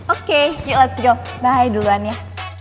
oke let's go bye duluan ya